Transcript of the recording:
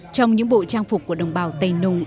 trong những bộ trang phục của đồng bào tây nùng